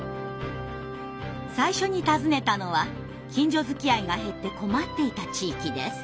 最初に訪ねたのは近所づきあいが減って困っていた地域です。